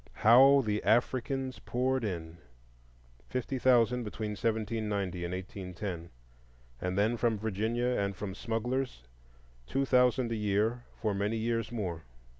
How the Africans poured in!—fifty thousand between 1790 and 1810, and then, from Virginia and from smugglers, two thousand a year for many years more.